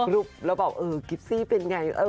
แล้วบอกกิปซี่เป็นไง